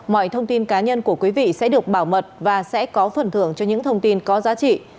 mọi thông tin cá nhân của quý vị sẽ được bảo mật và sẽ có phần thưởng cho những thông tin có giá trị